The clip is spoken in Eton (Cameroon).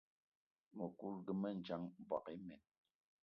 Mëkudgë mendjang, mboigi imen.